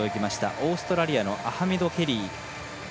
オーストラリアのアハメド・ケリー。